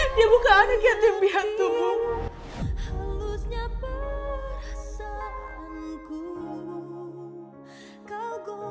dia bukan anak yang tumpi hati bu